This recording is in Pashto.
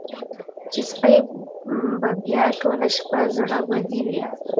چې سپۍ به بیا ټوله شپه زړه بدې وي.